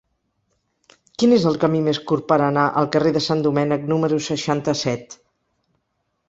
Quin és el camí més curt per anar al carrer de Sant Domènec número seixanta-set?